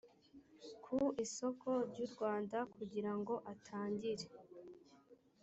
ku isoko ry u rwanda kugira ngo atangire